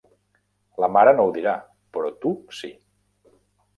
La mare no ho dirà, però tu sí.